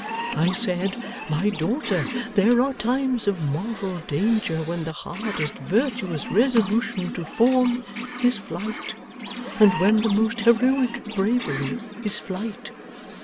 I said, "My daughter, there are times of moral danger when the hardest virtuous resolution to form is flight, and when the most heroic bravery is flight."